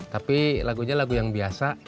tapi lagunya lagu yang biasa